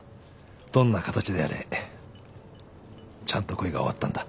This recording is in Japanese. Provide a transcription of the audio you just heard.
どんな形であれちゃんと恋が終わったんだ。